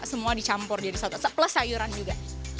semua dicampur jadi satu satu plus sayuran juga